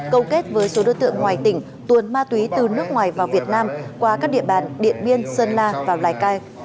câu kết với số đối tượng ngoài tỉnh tuồn ma túy từ nước ngoài vào việt nam qua các địa bàn điện biên sơn la và lào cai